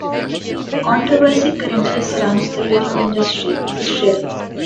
Controversy currently surrounds the rodeo industry in Australia.